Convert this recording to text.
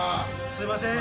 すいません。